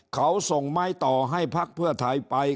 เขาส่งไม้ต่อให้พักเพื่อไทยไป